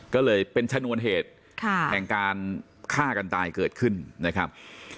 ก็เลยเป็นชนวนเหตุแห่งการฆ่ากันตายเกิดขึ้นนะครับ